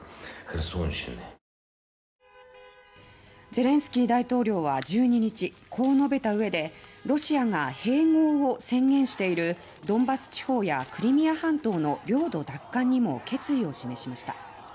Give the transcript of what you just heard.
ゼレンスキー大統領は１２日こう述べたうえでロシアが併合を宣言しているドンバス地方やクリミア半島の領土奪還にも決意を示しました。